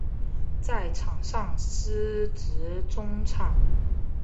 在场上司职中场。